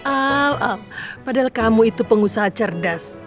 al padahal kamu itu pengusaha cerdas